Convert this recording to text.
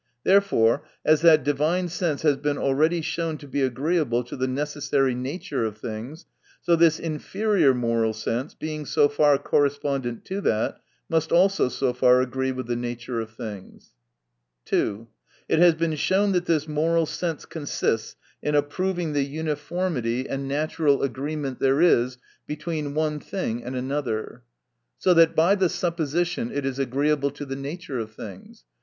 Therefore, as that divine sense has been alreadv THE NATURE OF VIRTUE. 303 shown to be agreeable to the necessary nature of things, so this inferior moral sense, being so far correspondent to that, must also so far agree with the nature of things 2. It has been shown, that this moral sense consists in approving the uni formity and natural agreement there is between one thing and another. So that by the supposition it is agreeable to the nature of things.